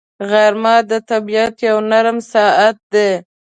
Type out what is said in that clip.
غرمه د طبیعت یو نرم ساعت دی